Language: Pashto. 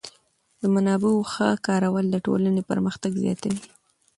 د منابعو ښه کارول د ټولنې پرمختګ زیاتوي.